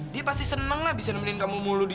dia pasti seneng lah bisa nemenin kamu mulu deh